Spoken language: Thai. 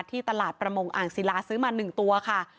ที่ตลาดประมงอ่างศิลาซื้อมา๑ตัวค่ะ